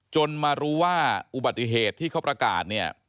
มารู้ว่าอุบัติเหตุที่เขาประกาศเนี่ย